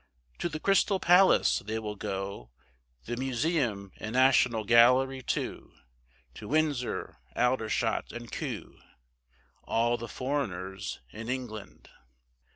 To the Crystal Palace they will go, The Museum and National Gallery too, To Windsor, Aldershot, and Kew, All the foreigners in England.